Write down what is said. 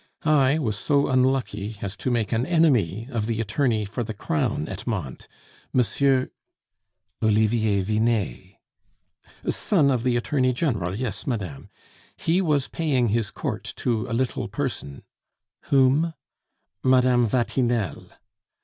I was so unlucky as to make an enemy of the attorney for the crown at Mantes, Monsieur " "Olivier Vinet." "Son of the Attorney General, yes, madame. He was paying his court to a little person " "Whom?" "Mme. Vatinelle."